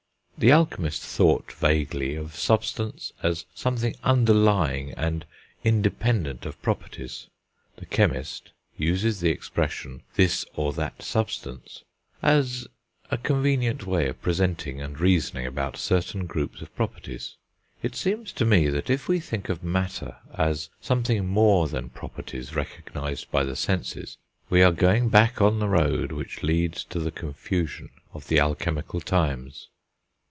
The alchemist thought, vaguely, of substance as something underlying, and independent of, properties; the chemist uses the expression, this or that substance, as a convenient way of presenting and reasoning about certain groups of properties. It seems to me that if we think of matter as something more than properties recognised by the senses, we are going back on the road which leads to the confusion of the alchemical times.